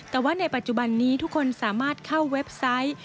แต่ว่าในปัจจุบันนี้ทุกคนสามารถเข้าเว็บไซต์